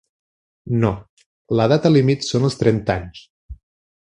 No, la data límit son els trenta anys.